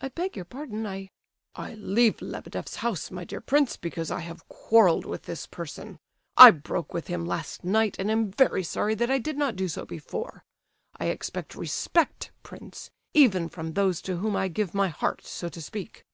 "I beg your pardon, I—" "I leave Lebedeff's house, my dear prince, because I have quarrelled with this person. I broke with him last night, and am very sorry that I did not do so before. I expect respect, prince, even from those to whom I give my heart, so to speak.